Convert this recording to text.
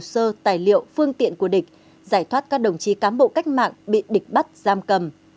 hồ sơ tài liệu phương tiện của địch giải thoát các đồng chí cám bộ cách mạng bị địch bắt giam cầm